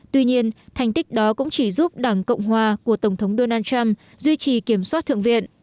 tuy nhiên thành tích đó cũng chỉ giúp đảng cộng hòa của tổng thống donald trump duy trì kiểm soát thượng viện